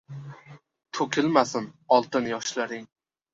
To‘kilmasin oltin yoshlaring.